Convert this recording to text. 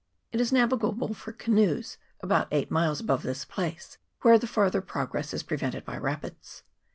It is navigable for canoes about eight miles above this place, where their far ther progress is prevented by rapids.